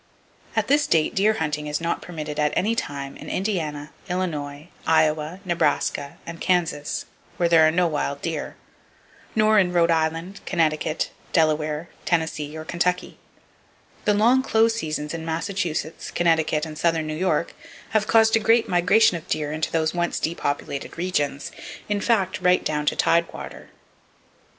At this date deer hunting is not permitted at any time in Indiana, Illinois, Iowa, Nebraska and Kansas,—where there are no wild deer; nor in Rhode Island, Connecticut, Delaware, Tennessee or Kentucky. The long [Page 173] close seasons in Massachusetts, Connecticut and southern New York have caused a great migration of deer into those once depopulated regions,—in fact, right down to tide water.